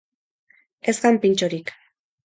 Ez jan pintxorik.